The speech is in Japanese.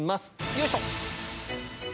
よいしょ！